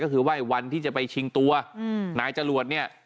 ก็คือว่าวันที่จะไปชิงตัวนายจรวดเนี่ย